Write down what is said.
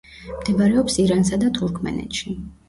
მდებარეობს ირანსა და თურქმენეთში.